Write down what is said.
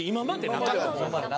なかったの？